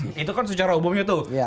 nah itu kan secara umumnya tuh